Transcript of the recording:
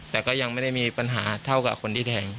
แต่ก็ยังไม่ได้มีปัญหาเท่ากับคนที่แทง